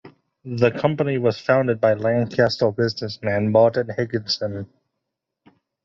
The company was founded by Lancaster businessman Martin Higginson.